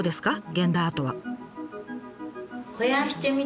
現代アートは。